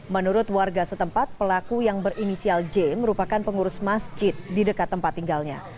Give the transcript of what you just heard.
menurut warga setempat pelaku yang berinisial j merupakan pengurus masjid di dekat tempat tinggalnya